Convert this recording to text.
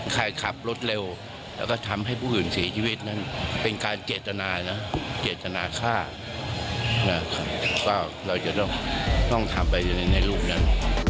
การขับรถเร็วและทำให้ผู้อื่นเสียชีวิตเป็นการเจตนาค่าต้องทำไปในรูปนั้น